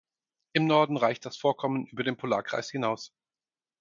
Im Norden reicht das Vorkommen über den Polarkreis hinaus.